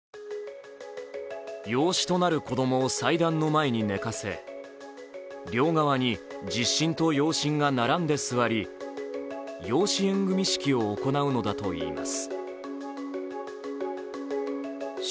養子となる子供を祭壇の前に寝かせ両側に実親と養親が並んで座り養子縁組式を行うのだといいます。